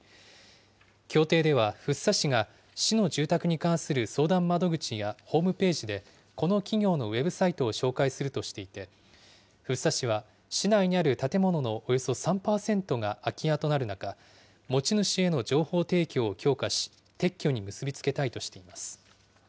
協定では、福生市が市の住宅に関する相談窓口やホームページで、この企業のウェブサイトを紹介するとしていて、福生市は市内にある建物のおよそ３％が空き家となる中、持ち主への情報提供を強化し、撤去に結び付けたいとしています。